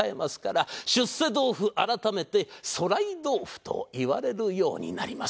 出世豆腐改めて徂徠豆腐といわれるようになります。